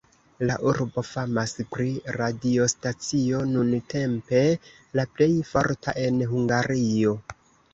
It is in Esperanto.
La urbo famas pri radiostacio, nuntempe la plej forta en Hungario.